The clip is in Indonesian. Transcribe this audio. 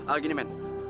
ah gini men